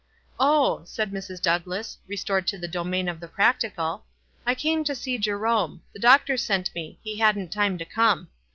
"Oh," said Mrs. Douglass, restored to the domain of the practical, "I came to see Jerome. The doctor sent me ; he hadn't time to come.